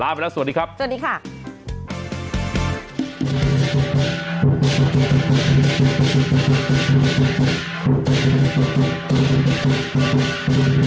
ลากันแล้วสวัสดีครับ